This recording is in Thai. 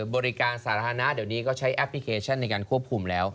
บริการสาธารณะเดี๋ยวนี้ก็ใช้แอปพลิเคชันในการควบคุมแล้ว